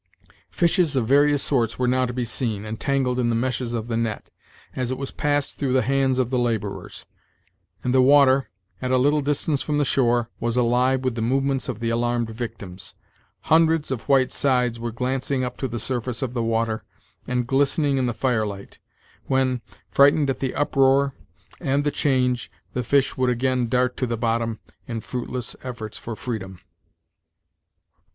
Fishes of various sorts were now to be seen, entangled in the meshes of the net, as it was passed through the hands of the laborers; and the water, at a little distance from the shore, was alive with the movements of the alarmed victims. Hundreds of white sides were glancing up to the surface of the water, and glistening in the fire light, when, frightened at the uproar and the change, the fish would again dart to the bottom, in fruitless efforts for freedom.